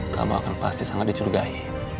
kamu akan pasti sangat dicurigai